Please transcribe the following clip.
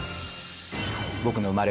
僕の生まれ